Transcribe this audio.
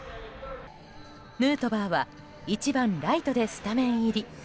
ヌートバーは１番ライトでスタメン入り。